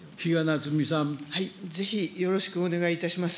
ぜひよろしくお願いいたします。